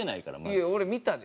いや俺見たで。